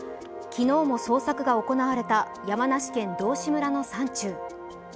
昨日も捜索が行われた山梨県道志村の山中。